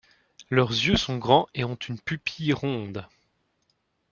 Leurs yeux sont grands et ont une pupille ronde.